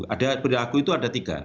ada perilaku itu ada tiga